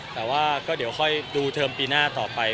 แต่ว่าก็เดี๋ยวค่อยดูเทอมปีหน้าต่อไป